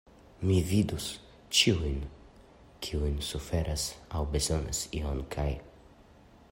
Mi vidus ĉiujn, kiuj suferas aŭ bezonas ion kaj.